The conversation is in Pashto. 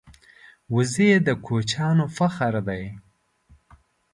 وزې د کوچیانو فخر دی